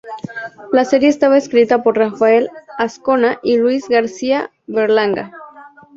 La serie estaba escrita por Rafael Azcona y Luis García Berlanga.